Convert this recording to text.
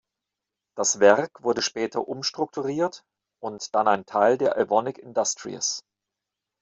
Das Werk wurde später umstrukturiert und dann ein Teil der Evonik Industries.